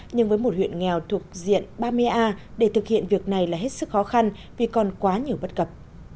nhưng với một huyện nghèo thuộc diện ba mươi a để thực hiện việc này là hết sức khó khăn vì còn quá nhiều bất cập